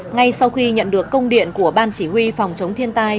ngay sau khi nhận được công điện của ban chỉ huy phòng chống thiên tai